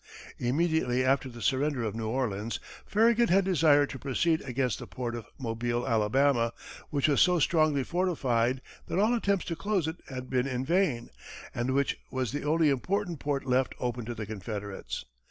Immediately after the surrender of New Orleans, Farragut had desired to proceed against the port of Mobile, Alabama, which was so strongly fortified that all attempts to close it had been in vain, and which was the only important port left open to the Confederates.